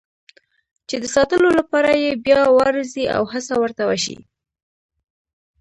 چې د ساتلو لپاره یې بیا وارزي او هڅه ورته وشي.